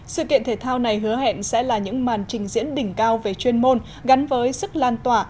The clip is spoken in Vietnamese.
sự kiện thể thao này hứa hẹn sẽ là những màn trình diễn đỉnh cao về chuyên môn gắn với sức lan tỏa